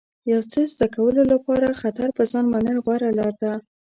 د یو څه زده کولو لپاره خطر په ځان منل غوره لاره ده.